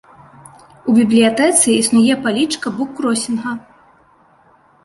У бібліятэцы існуе палічка буккросінга.